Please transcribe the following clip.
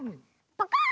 パカーン！